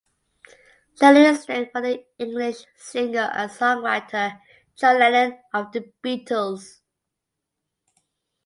Lennon is named for the English singer and songwriter John Lennon (of The Beatles).